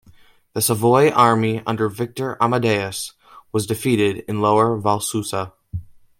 The Savoy army under Victor Amadeus was defeated in Lower Valsusa.